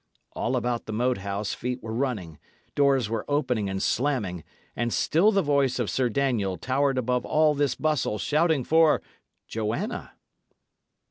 All about the Moat House feet were running, doors were opening and slamming, and still the voice of Sir Daniel towered above all this bustle, shouting for "Joanna."